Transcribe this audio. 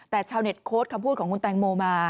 แต่ชาวเน็ตโค้ดคำพูดของคุณแตงโมมา